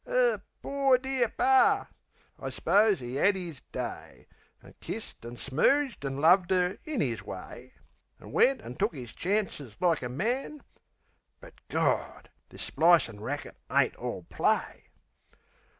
'Er "pore dear Par"...I s'pose 'e 'ad 'is day, An' kissed an' smooged an' loved 'er in 'is way. An' wed an' took 'is chances like a man But, Gawd, this splicin' racket ain't all play.